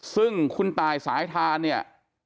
ซึ่งคุณตายสายทานเนี่ย